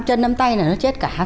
chân nắm tay là nó chết cả rồi